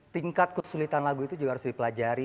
tingkat kesulitan lagu itu juga harus dipelajari